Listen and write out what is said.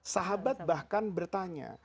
sahabat bahkan bertanya